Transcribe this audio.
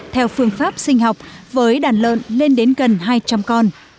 theo phương pháp sinh học với đàn lợn lên đến gần hai trăm linh con